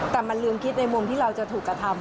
แต่มันลืมคิดในมุมที่เราจะถูกกระทำ